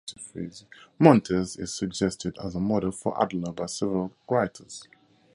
Montez is suggested as a model for Adler by several writers.